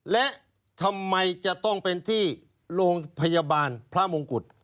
และทำไมจะต้องเป็นที่โรงพยาบาลพระมงกุฎ